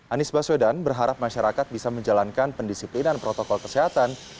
anies baswedan berharap masyarakat bisa menjalankan pendisiplinan protokol kesehatan